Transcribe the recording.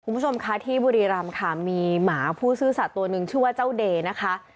คุณผู้ชมคะที่บุรีรำค่ะมีหมาผู้ซื่อสัตว์ตัวหนึ่งชื่อว่าเจ้าเดนะคะ